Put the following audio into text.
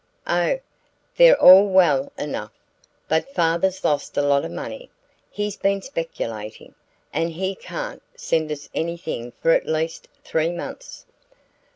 "Oh, they're all well enough but father's lost a lot of money. He's been speculating, and he can't send us anything for at least three months."